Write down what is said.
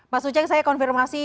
mas uceng saya konfirmasi